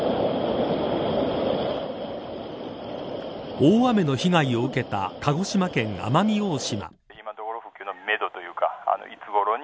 大雨の被害を受けた鹿児島県奄美大島。